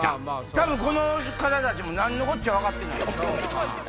多分この方たちも何のこっちゃ分かってない。